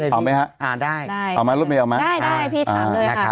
รถเบงเอาไหมเอ้อได้มาพิช